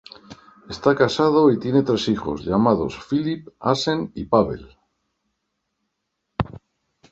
Está casado y tiene tres hijos llamados Filip, Asen y Pavel.